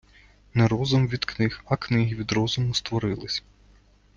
Не розум від книг, а книги від розуму створились.